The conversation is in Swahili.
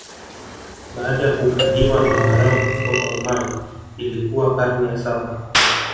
Baada ya kukaliwa na waarabu kutoka Oman Ilikuwa karne ya Saba